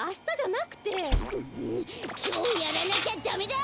んきょうやらなきゃダメだ！